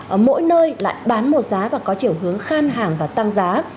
ở mỗi nơi lại bán một giá và có chiều hướng khan hàng và tăng giá